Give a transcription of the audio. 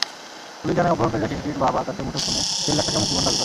Police জানায়, অপহরণকারীরা শিশুটির বাবার কাছে মুঠোফোনে দেড় লাখ টাকা মুক্তিপণ দাবি করে।